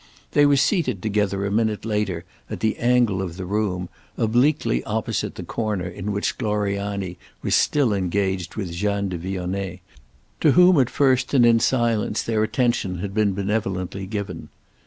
They were seated together a minute later at the angle of the room obliquely opposite the corner in which Gloriani was still engaged with Jeanne de Vionnet, to whom at first and in silence their attention had been benevolently given.